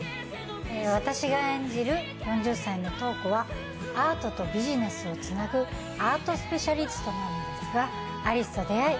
私が演じる４０歳の瞳子はアートとビジネスをつなぐアートスペシャリストなんですが有栖と出会い